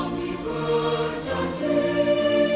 karya kusbini yang legendaris